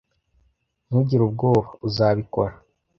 Ntugire ubwoba. Uzabikora.